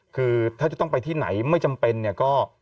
คือถ้าจะต้องไปที่ไหนไม่จำเป็นเนี่ยก็